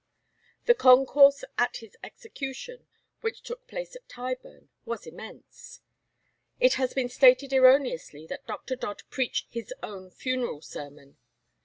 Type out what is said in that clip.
The concourse at his execution, which took place at Tyburn, was immense. It has been stated erroneously that Dr. Dodd preached his own funeral sermon.